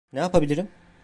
Ne yapabilirim?